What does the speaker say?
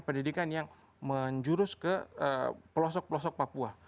pendidikan yang menjurus ke pelosok pelosok papua